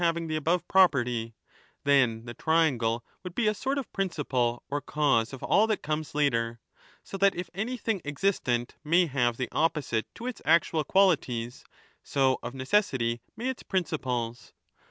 4. 1222'' ETHICA EUDEMIA 4° having the above property, then the triangle would be a sort of principle or cause of all that comes later. So that if anything existent may have the opposite to its actual 1223* qualities, so of necessity may its principles.